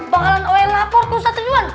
bakalan oem lapor kursus latihan